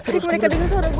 riki mereka dengar suara gue